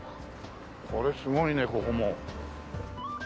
これすごいねここも。